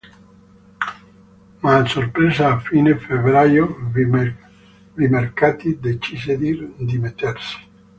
Ma a sorpresa a fine febbraio Vimercati decise di dimettersi.